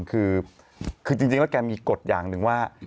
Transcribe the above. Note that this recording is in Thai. คือจริงว่าแกมีกฎอย่างนึงว่า